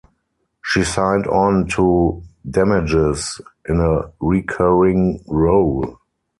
She signed on to "Damages" in a recurring role.